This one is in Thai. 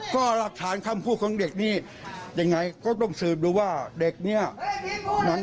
ก็หลักฐานคำพูดของเด็กนี่ยังไงก็ต้องสืบดูว่าเด็กเนี่ย